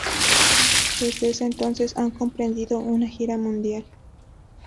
Desde ese entonces han comprendido una gira mundial.